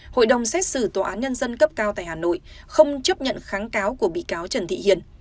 hội đồng xét xử tòa án nhân dân cấp cao tại hà nội không chấp nhận kháng cáo của bị cáo trần thị hiền